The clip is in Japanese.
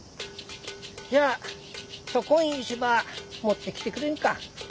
じゃあそこん石ば持ってきてくれんか。